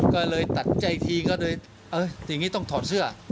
ก็เลยตัดใจทีก็เลยอย่างนี้ต้องถอดเสื้อ